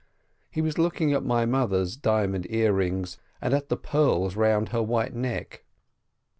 (He was looking at my mother's diamond ear rings, and at the pearls round her white neck.)